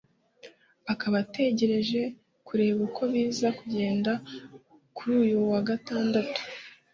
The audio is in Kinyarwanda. akaba ategereje kureba uko biza kugenda kuri uyu wa Gatandatu